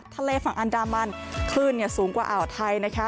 ทะเลฝั่งอันดามันคลื่นสูงกว่าอ่าวไทยนะคะ